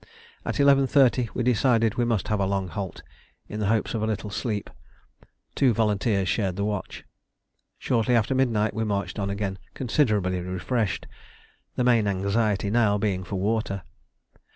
At 11.30 we decided we must have a long halt, in the hopes of a little sleep; two volunteers shared the watch. Shortly after midnight we marched on again considerably refreshed, the main anxiety now being for water.